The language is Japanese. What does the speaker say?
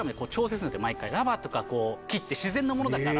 ラバーとか木って自然なものだから。